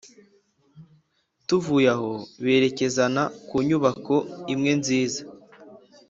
tuvuye aho barekezana kunyubako imwe nziza